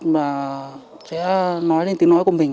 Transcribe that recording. và sẽ nói lên tiếng nói của mình